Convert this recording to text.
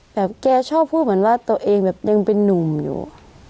แกชอบพูดเหมือนว่าตัวเองแบบยังเป็นนุ่มอยู่